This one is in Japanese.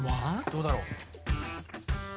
どうだろう？